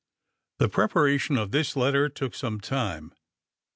The preparation of this letter took some time.